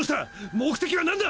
目的は何だ！